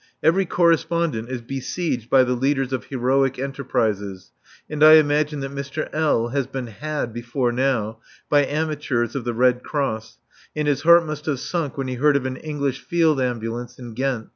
Every Correspondent is besieged by the leaders of heroic enterprises, and I imagine that Mr. L. has been "had" before now by amateurs of the Red Cross, and his heart must have sunk when he heard of an English Field Ambulance in Ghent.